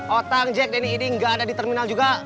otang jack denny eding gak ada di terminal juga